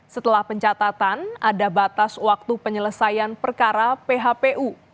setelah pencatatan ada batas waktu penyelesaian perkara phpu